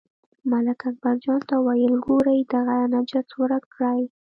ملک اکبرجان ته وویل، ګورئ دغه نجس ورک کړئ.